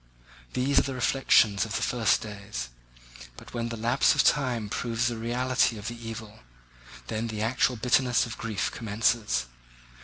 These are the reflections of the first days; but when the lapse of time proves the reality of the evil, then the actual bitterness of grief commences.